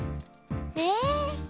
え？